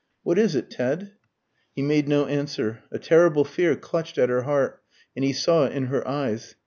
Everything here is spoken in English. "What is it, Ted?" He made no answer. A terrible fear clutched at her heart, and he saw it in her eyes.